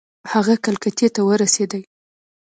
هغه کلکتې ته ورسېدی.